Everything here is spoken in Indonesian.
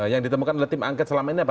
yang ditemukan oleh tim angket selama ini apa